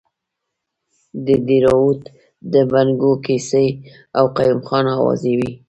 د دیراوت د بنګو کیسې او قیوم خان اوازې وې.